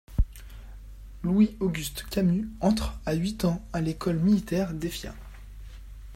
Louis-Auguste Camus entre à huit ans à l'école militaire d'Effiat.